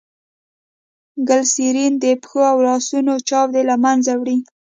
ګلیسرین دپښو او لاسو چاودي له منځه وړي.